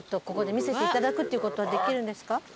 ここで見せていただくっていうことはできるんですか？